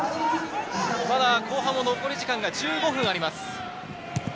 後半残り時間１５分あります。